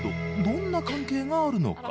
どんな関係があるのか？